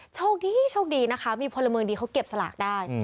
โชคดีมีพลเมิงดีเขาเก็บสลักได้